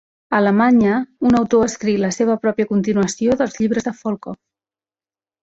A Alemanya, un autor ha escrit la seva pròpia continuació dels llibres de Volkov.